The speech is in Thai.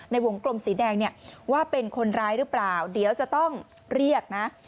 ในวงกลมสีแดงเนี่ยว่าเป็นคนร้ายหรือเปล่าเดี๋ยวจะต้องเรียกนะ